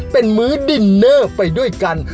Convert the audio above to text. เป็นมื้อดินเนอร์ไปด้วยกัน